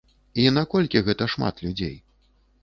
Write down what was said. І наколькі гэта шмат людзей?